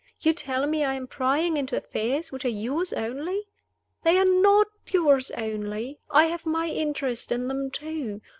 You tell me I am prying into affairs which are yours only? They are not yours only: I have my interest in them too.